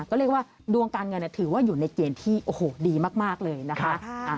ก็เรียกว่าดวงการเงินถือว่าอยู่ในเกณฑ์ที่โอ้โหดีมากเลยนะคะ